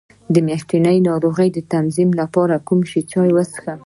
د میاشتنۍ ناروغۍ د تنظیم لپاره کوم چای وڅښم؟